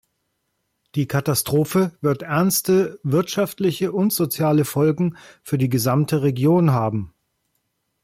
Die Katastrophe wird ernste wirtschaftliche und soziale Folgen für die gesamte Region haben.